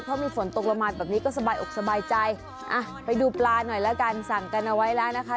เพราะมีฝนตกลงมาแบบนี้ก็สบายอกสบายใจอ่ะไปดูปลาหน่อยแล้วกันสั่งกันเอาไว้แล้วนะคะ